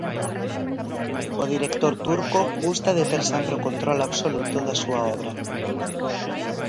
O director turco gusta de ter sempre o control absoluto da súa obra.